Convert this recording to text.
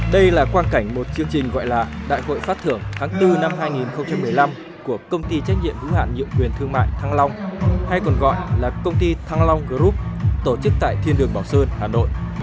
đây là quan cảnh một chương trình gọi là đại hội phát thưởng tháng bốn năm hai nghìn một mươi năm của công ty trách nhiệm hữu hạn nhiệm quyền thương mại thăng long hay còn gọi là công ty thăng long group tổ chức tại thiên đường bảo sơn hà nội